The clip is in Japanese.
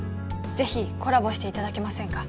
ぜひコラボしていただけませんか？